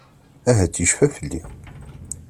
Ahat yecfa fell-i.